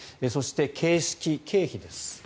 そして形式、経費です。